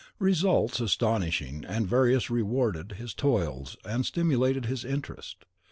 Results astonishing and various rewarded his toils and stimulated his interest.